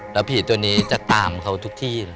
แล้วผีตัวนี้จะตามเขาทุกที่เลย